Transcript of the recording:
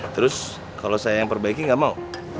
terus kalau saya yang perbaiki nggak mau